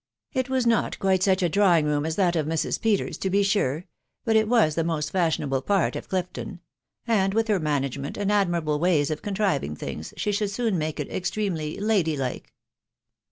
" It was not quite such a drawing room as that of Mrs. Peters, to be sure,, but. it was the most fashionable part of Clifton ; and with her man agement, and admirable ways of contriving things, she. should soon make it extremely lady like."